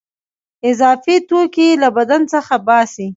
اضافي توکي له بدن څخه باسي.